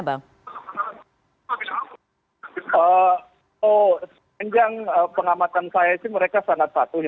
sebenarnya pengamatan saya mereka sangat patuh